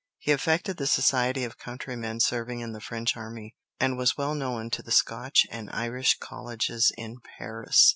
He affected the society of countrymen serving in the French army, and was well known to the Scotch and Irish Colleges in Paris.